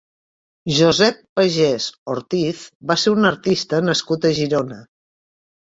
Josep Pagès Ortiz va ser un artista nascut a Girona.